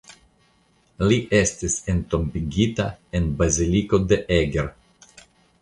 Li estis entombigita en Baziliko de Eger.